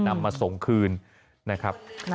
นำมาส่งคืนนะครับ